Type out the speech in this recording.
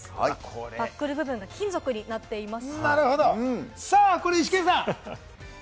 バックル部分が金属になっています。